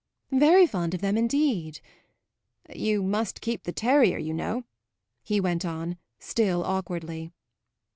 "Very fond of them indeed." "You must keep the terrier, you know," he went on, still awkwardly.